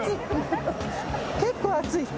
結構熱い。